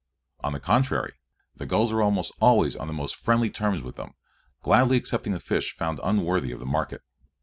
On the contrary, the gulls are always on the most friendly terms with them, gladly accepting the fish found unworthy of the market.